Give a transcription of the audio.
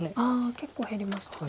結構減りましたね。